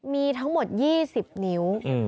มีทั้งหมด๒๐นิ้ว